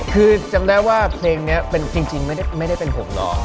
คือจำได้ว่าเพลงนี้จริงไม่ได้เป็น๖ล้อ